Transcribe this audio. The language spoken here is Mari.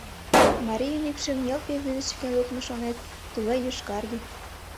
Марийын ӱпшым нӧлпӧ вӱдыш чыкен лукмо, шонет, тугай йошкарге.